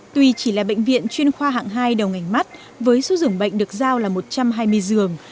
tuy chỉ là bệnh viện chuyên khoa hạng hai đầu ngành mắt với số dường bệnh được giao là một trăm hai mươi giường